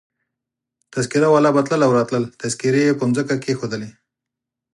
تذکیره والا به تلل او راتلل، تذکیرې يې پر مځکه کښېښولې.